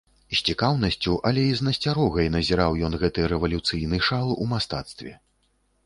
З цікаўнасцю, але і з насцярогай назіраў ён гэты рэвалюцыйны шал у мастацтве.